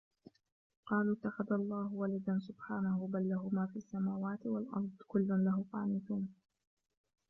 وقالوا اتخذ الله ولدا سبحانه بل له ما في السماوات والأرض كل له قانتون